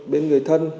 bên người thân